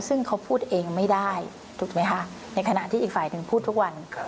ซึ่งเขาพูดเองไม่ได้ถูกไหมคะในขณะที่อีกฝ่ายหนึ่งพูดทุกวัน